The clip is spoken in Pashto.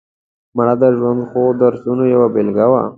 مړه د ژوند ښو درسونو یوه بېلګه وه